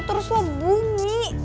terus lo bunyi